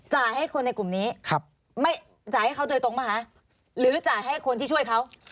จ่ายให้คนในกลุ่มนี้จ่ายให้เขาโดยตรงหรือจ่ายให้คนที่ช่วยเขา